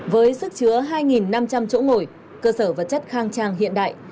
với sức chứa hai năm trăm linh chỗ ngồi cơ sở vật chất khang trang hiện đại